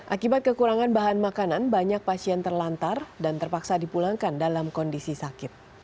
akibat kekurangan bahan makanan banyak pasien terlantar dan terpaksa dipulangkan dalam kondisi sakit